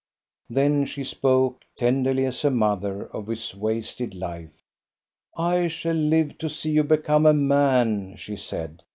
Then she spoke, tenderly as a mother, of his wasted life. I shall live to see you become a man," she said.